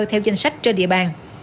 theo danh sách trên địa bàn